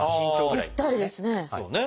ぴったりですね。